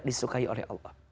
disukai oleh allah